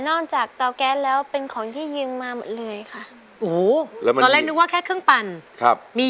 โอ้โฮ๒ปี